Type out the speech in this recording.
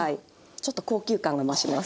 ちょっと高級感が増します。